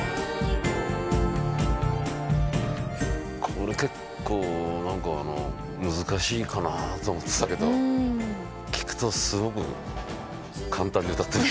これ結構難しいかなと思ってたけど聴くとすごく簡単に歌ってる。